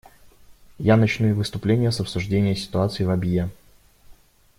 Я начну выступление с обсуждения ситуации в Абьее.